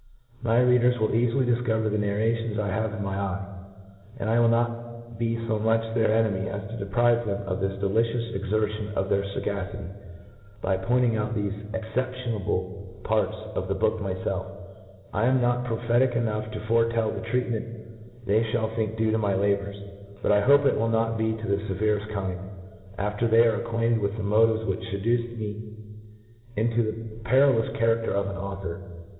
My readers will eafily difcover the narrations I have in my eye j and I will not be fo much their ene my as to deprive them of this delicious exertion of their fagacity, by pointing out thefe excep tionable parts of the book myfelf, I am not prophetic jpnougU to foretel the treatment they fiiall think djae to yny labours ; but hope it will not be of the feyereft Kind, after they are ac quainted with the motive$ which feduced me in to the perilous charafter of an author.